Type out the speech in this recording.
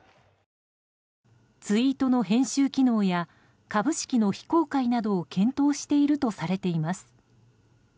ツイートの編集機能や株式の非公開などを検討しているとされています。